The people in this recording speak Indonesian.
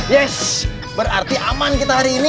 yes berarti aman kita hari ini